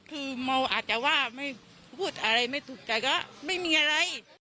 คือเมาอาจจะว่าไม่พูดอะไรไม่ถูกใจก็ไม่มีอะไร